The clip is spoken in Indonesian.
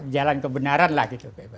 jalan kebenaran lah gitu